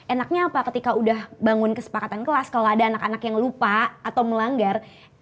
enaknya apa ketika udah bangun kesepakatan kelas kalau ada anak anak yang lupa atau melanggar